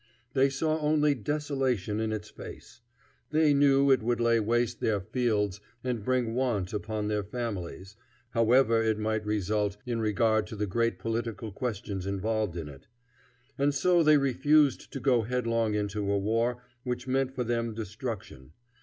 They saw only desolation in its face. They knew it would lay waste their fields and bring want upon their families, however it might result in regard to the great political questions involved in it. And so they refused to go headlong into a war which meant for them destruction.